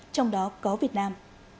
trong đó có việt nam